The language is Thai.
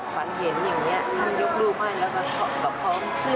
ฝันเห็นอย่างนี้ยกรูปให้แล้วก็เขาพร้อมเสื้อ